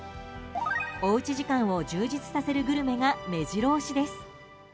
おうち時間を充実させるグルメが目白押しです。